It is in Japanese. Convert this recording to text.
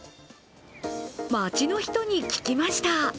街の人に聞きました。